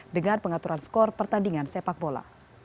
dengan pengaturan skor pertandingan sepak bola